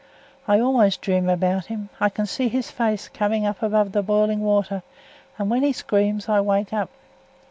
I always dream about him. I can see his face come up above the boiling water, and when he screams I wake up.